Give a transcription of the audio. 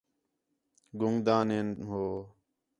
گُنگ دان ہین ہو